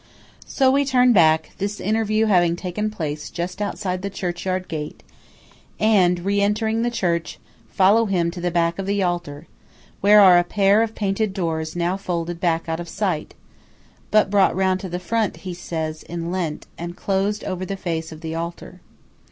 So we turn back–this interview having taken place just outside the churchyard gate–and, re entering the church, follow him to the back of the altar, where are a pair of painted doors now folded back out of sight, but brought round to the front, he says, in Lent, and closed over the face of the altar.